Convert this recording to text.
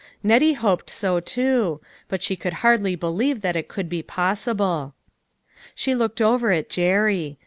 Nettie hoped so, too ; but she could hardly believe that it could be possible. She looked over at Jerry.